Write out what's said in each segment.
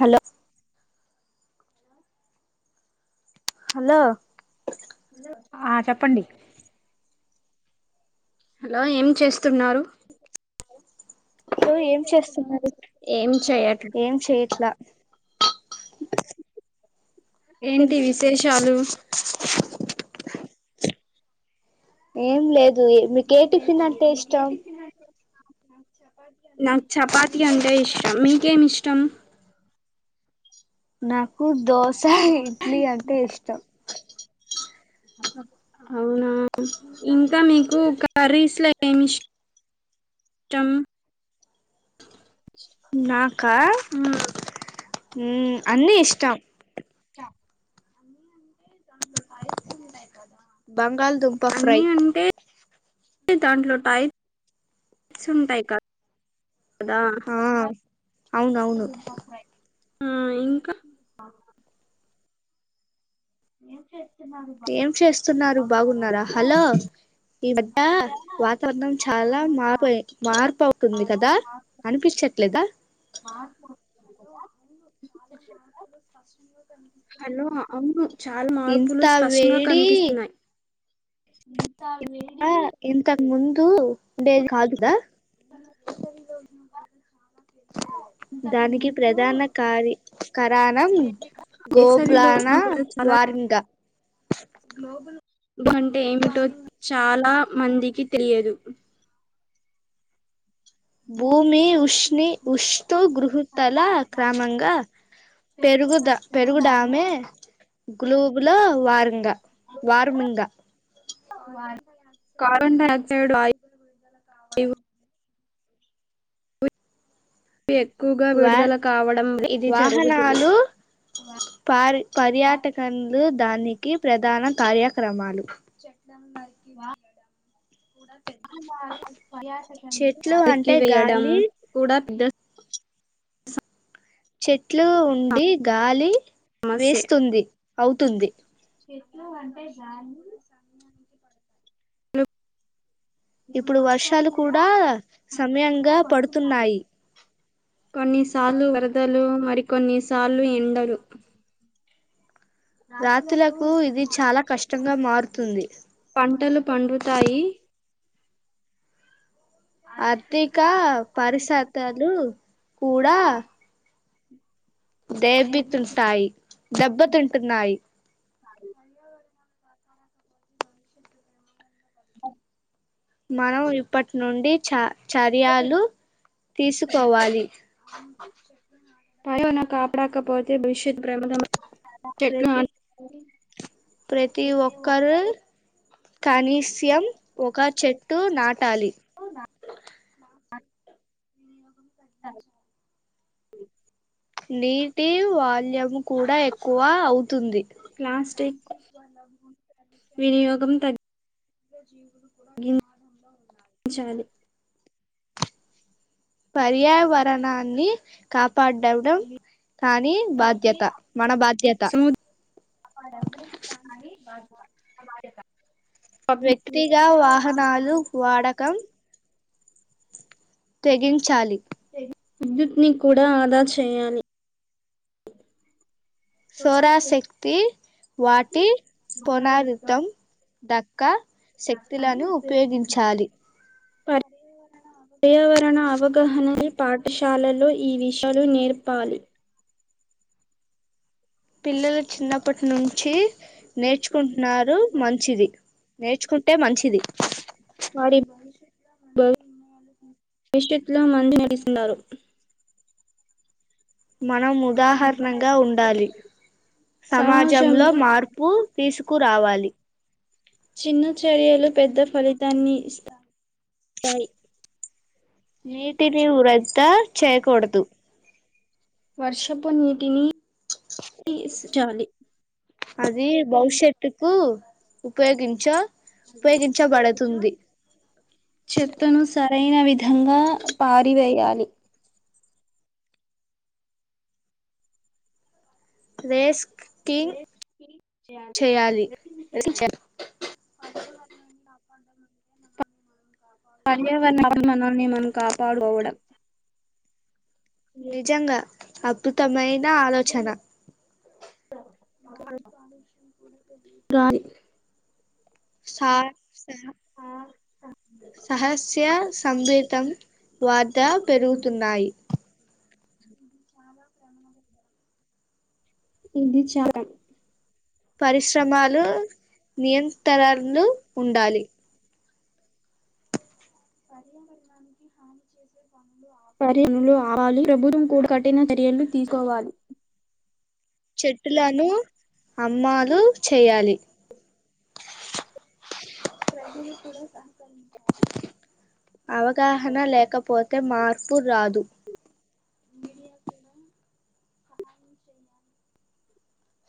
Hello! Hello! ఆ చెప్పండి. Hello ఏం చేస్తున్నారు? హలో ఏం చేస్తున్నారు ఏం చేయట్లే ఏం చేయట్ల. తిన్ ఏంటి విశేషాలు ఏం లేదు ఎ మికే టిఫిన్ అంటే ఇష్టం. నాక్ చపాతి అంటే ఇష్టం, మీకేమిష్టం? నాకు దోస, ఇడ్లీ అంటే ఇష్టం. అవునా ఇంకా నీకు కర్రీస్ల ఏం ఇష్ టమ్ నాకా ఉమ్ అన్నీ ఇష్టం. చ బంగాళదుంప అన్ని ఫ్రై అంటే దాంట్లో టైప్ స్ ఉంటాయ్ కా కదా ఆ అవునవును ఆ ఇంకా ఏం చెస్ ఏం చేస్తున్నారు బాగున్నారా హలో! ఈ మధ్యా వాతావరణం చాలా వాతావరణం మార్పాయి మార్పవ్ తుంది కదా అనిపించట్లేదా. మా కదా హలో అవును చాలా ఇంత మార్పులు స్పష్టంగా వేడి ఇంత వేడి ఇంతక్ ముందు ఉండేది కాదు కదా [inaudible] దానికి ప్రధాన కారి కరాణం వేసవిలో గోబ్లానా ఉష్ణోగ్రత చాలా వారింగ్ అంటే ఏమిటో చాలా మందికి తెలియదు భూమి ఉష్ణి ఉషతూ గృహతల క్రమంగా పెరుగుద పెరుగుడామే గ్లూబ్లో వార్మింగా వార్ మింగ కార్బన్ డయాక్సైడ్ కావడం ఎక్కువగా వా విడుదల కావడం ఇది జరుగుతుంది పరి పర్యాటకన్లు దానికి ప్రధాన కార్యక్రమాలు వా చెట్లు నరికి అంటే వేయడం గాలి కూడా చెట్లు ఉండి గాలి వేస్తుంది అవుతుంది చెట్లు అంటే గాలి అ [inaudible] ఇప్పుడు వర్షాలు కూడా సమయంగా పడుతున్నాయి కొన్నిసార్లు వరదలు మరికొన్నిసార్లు ఎండలు రాతులకు ఇది చాలా కష్టంగా మారుతుంది పంటలు పండుతాయి ఆర్థిక పరిసతలు కూడా దే బితుల్తాయి దెబ్బ తింటున్నాయి మనం ఇప్పట్నుండి చ చర్యలు తీసుకోవాలి పై కపడకపోతే భూరిష్ ప్రతి ప్రతి ఒక్కరూ కనీస్యం ఒక చెట్టు నాటాలి అ నీటి వాల్యం కూడా ఎక్కువ అవుతుంది ప్లాస్టిక్ వినియోగం తగ్ [inaudible] మ్ చాలి పర్యావరణాన్ని కాప్ పాడ్వడం కానీ బాధ్యత మన బాధ్యత సముద్ర [inaudible] మా బాధ్యత వ్యక్తిగా వాహనాలు వాడకం తెగించాలి విద్యుత్ని కూడా ఆదా చేయాలి సోరాశక్తి వాటి పోనారితం డ క్క శక్తిలను ఉపయోగించాలి పర్ పర్యావరణ అవగాహన పాఠశాలలో ఈ విషలు నేర్పాలి పిల్లలు చిన్నప్పటి నుంచి నేర్చుకుంటున్నారు మంచిది నేర్చుకుంటే మంచిది వారి ఇంట్లో మంది లేడిస్ ఉన్నారు మనం ఉదాహరణంగా ఉండాలి సమాజంలో మార్పు తీసుకురావాలి [inaudible] చిన్న చర్యలు దాయి నీటిని వృధా చేయకుడదు వర్షపు నీటిని ఇస్ చాలి అది భవిష్యత్తుకు ఉపయోగించా ఉపయోగించబడుతుంది చెత్తను సరైన విధంగా పారివేయాలి రేస్క కింగ్ చేయాలి పర్యావరణ అభి మానాల్ని మనం కాపాడుకోవడం నిజంగా అప్పుతమై [inaudible] సా స సహస్య సంభేతం వాద పెరుగుతున్నాయి ఇది చా లా పరిశ్రమలు నియంతరణలు ఉండాలి పర్యావరణానికి హాని చేసేవి పరిణలు అవాలీ ప్రభుత్వం కూడా కట్టిన చర్యలు తీసుకోవాలి చెట్టులను అమ్మాలి చేయాలి [unintelligible] అవగాహన లేకపోతే మార్పు రాదు మీడియాక్కడ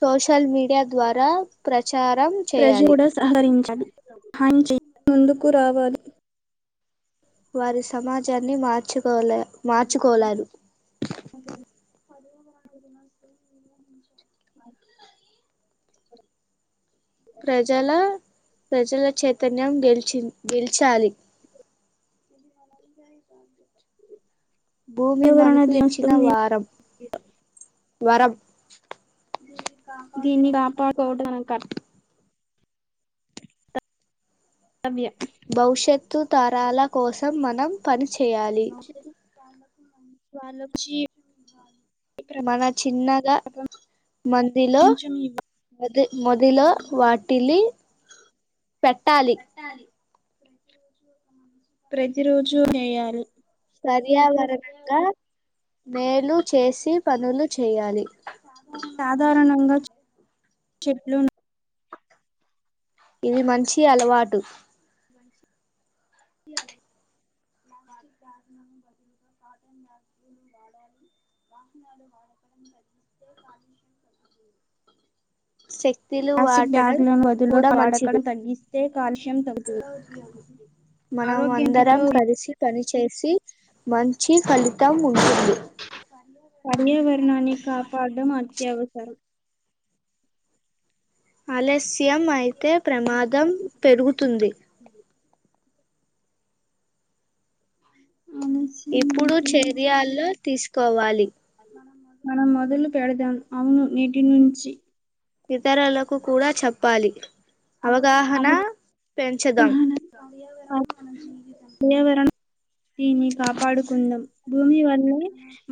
సోషల్ మీడియా ద్వారా ప్ర జు కూడా సహరించలి మంచి ముందుకు రావాలి వారి సమాజాన్ని మార్చుకోలె మార్చుకోలారు [unintelligible] ప్రజల ప్రజల చైతన్యం గెలిచిం గెలచాలి భూమి పర్యావరణ మనకు ఇచ్చిన దినోత్సవం వారం వరం దీన్ని కాపాడు కోవుడు మన కార్ కర్తవ్యం భవిష్యత్తు తరాల కోసం మనం ప వాలోచ్చి మన చిన్నగా మందిలో మది మొదిలో ఇవ్వాలి వాటిల్లీ పెట్టాలి ప్రతి రోజూ వేయాలి ప్రర్యావరణంగా మేలు చేసి పనులు చేయాలి సాధారణంగా చే చెట్లు ఉన్ ఇది మంచి అలవాటు [inaudible] [unintelligible] సే తిలు ప్లాస్టిక్ ఆటడం బ్యాగులను కూడ బదులుగా మంచిది వాడకడం తగ్గిస్తే కాలుష్యం తగ్గుతుంది ఆరోగ్యానికి మనమందరం కూడా కలిసి తనిష్ చేసి మంచి ఫలితం వుంటుంది పర్యావరణాన్ని కాపాడ్డం అత్యవసరం ఆలస్యమైతే ప్రమాదం పెరుగుతుంది ఆలస్యం ఇప్పుడు అయితే చేర్యాల్లో తీస్కోవాలి మనం మొదలు పెడదాం ఔను నీటి నుంచి ఇతరలకు కూడా చెప్పాలి అవగాహన పెంచదాం అవగాహన పర్యావరణ దీన్ని కాపాడుకుందాం భూమి వల్లే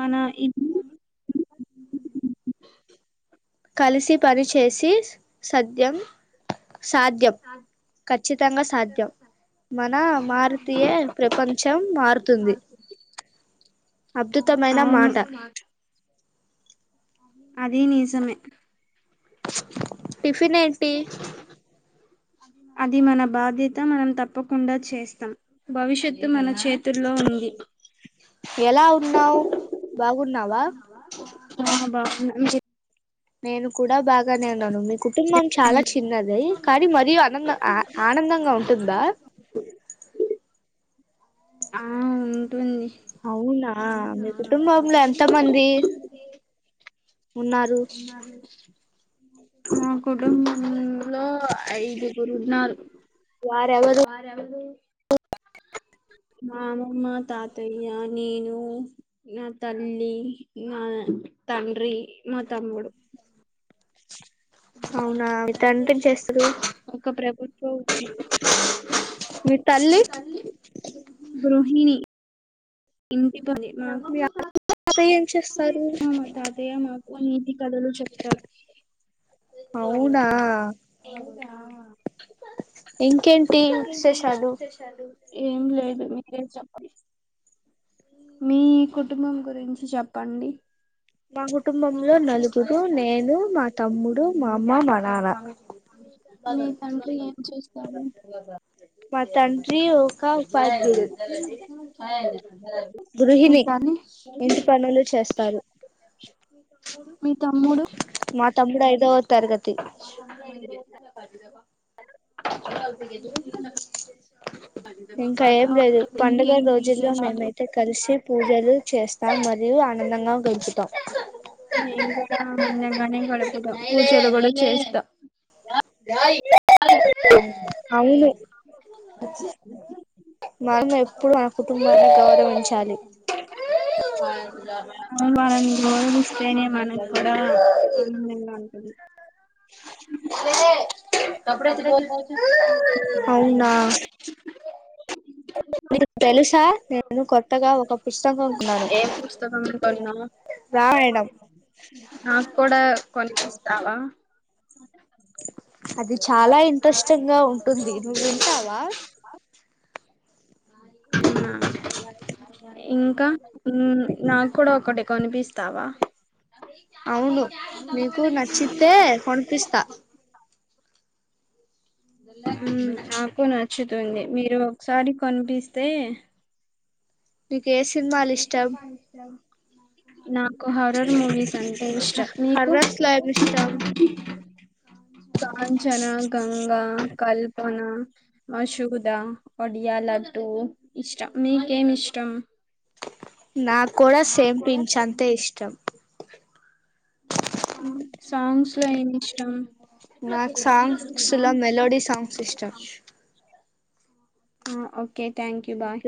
మన ఇదీ [unintelligible] కలిసి పని చేసి స్ సధ్యం సాధ్యం ఖచ్చితంగా సాధ్యవ్ మన మారుతీయ ప్రపంచం మార్ తుంది అద్దుతమైనా అవును మాట అదీ నీజమే టిఫినేంటి అది మన బాధ్యత మనం తప్పకుండా చేస్తా భవిష్యత్తు మన చేతుల్లో ఉంది ఎలా ఉన్నావు బాగున్నావా ఆ బావున్నా మీర్ నేను కూడా బాగానే ఉన్నాను మీ కుటుంబం చాలా చిన్నది కానీ మరీ అనంద ఆ ఆనందంగా ఉంటుందా ఆ ఉంటుంది అవునా మీ కుటుంబంలో ఎంత మంది ఉన్నారు ఉన్నారు మా కుటుంబంలో ఐదుగురు ఉన్నారు వారెవరు వారెవురూ మా నానమ్మ తాతయ్య నేను నా తల్లి నా తండ్రి మ తమ్ముడు అవునా మీ తండ్రి ఏం చేస్తారు ఏంచేస్తారు ఒక ప్రభుత్వవ్ ఉద్యోగి మీ తల్లి గృహిణిణీ మీ మీ అమ్మమ్మ అత్తయ్య ఏం చేస్తారు తాత ఆ తాతయ్య మాకు నీతీ కదలు చెబ్తారు అవునా ఇంకేంటి విశేషాలు ఏం లేదు మీరే చెప్పాలీ మీ కుటుంబం గురించ్ చెప్పండి మా కుటుంబంలో నలుగురు నేను మా తమ్ముడు మా అమ్మ మా నాన్న మీ తండ్రి ఏం చేస్తాడూ మా తండ్రి ఒక ఉపాద్యుడు మీ గృహిణి తల్లి ఇంటి పనులు చేస్తారు మీ తమ్ముడు మా తమ్ముడు ఐదొవ తరగతి [unintelligible] ఇంకా ఏం లేదు పండుగ ఇంకేంటి రోజుల్లో విశేషాలు మేమైతే కల్సీ పూజలు చేస్తాం మరియు ఆనందంగా గడుపుతాం మేం గూడా అందంగానే గడుపుదాం పూజలు కూడా చేస్తా రాయి అయ్ [unintelligible] మనేప్పుడు ఆ కుటుంబాన్ని గౌరవించాలి అవును వాళ్ళని గౌరవిస్తేనే మనక్కూడా ఆనందంగా ఉంటుంది [unintelligible] అవునా మీకూ తెల్సా నేను కొత్తగా ఒక పుస్తకంకున్నాను ఏం పుస్తకం రామాయణం నాక్కూడా కొనిపిస్తావా అది చాలా ఇంట్రెస్టింగ్ గా ఉంటుంది నువ్వు వింటావా ఆ ఇంకా నా నాక్కూడా ఒకటి కొనిపిస్తావా అవును మీకు నచ్చితే కొనిపిస్తా మ్మ్ నాకు నచ్చుతుంది మీరొకసారి కొనిపిస్తే మీకు ఏ సినిమాలు ఇష్టం నాకు హారర్ మూవీస్ అంటే ఇష్టం మీకు హారర్స్ లో ఏం ఇష్టం కాంచనా, గంగా, కల్ప ప్నా మశుదా, ఒడియాల ట్టు ఇష్టం మీకేమిష్టం నాక్కూడా సేమెపించంతే ఇష్టం మ్ సాంగ్స్ లో ఏమి ఇష్టం నాక్ సాంగ్స్ లో మెలోడి సాంగ్స్ ఇష్టం ఆ ఓకే థాంక్యూ బాయ్